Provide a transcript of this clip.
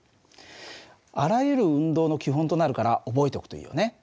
あらゆる運動の基本となるから覚えておくといいよね。